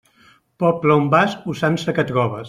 Poble on vas, usança que trobes.